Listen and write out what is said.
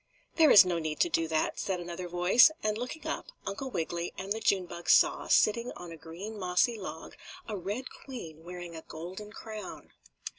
"There is no need to do that," said another voice, and, looking up, Uncle Wiggily and the June bug saw, sitting on a green mossy log, a Red Queen wearing a golden crown.